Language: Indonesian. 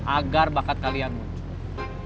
agar bakat kalian muncul